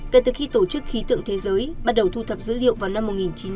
kể từ khi tổ chức khí tượng thế giới bắt đầu thu thập dữ liệu vào năm một nghìn chín trăm chín mươi